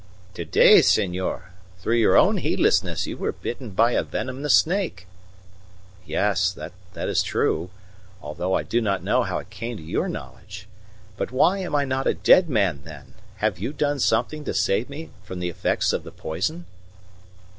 "Today, senor, through your own heedlessness you were bitten by a venomous snake." "Yes, that is true, although I do not know how it came to your knowledge. But why am I not a dead man, then have you done something to save me from the effects of the poison?"